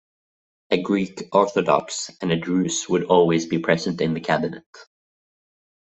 A Greek Orthodox and a Druze would always be present in the cabinet.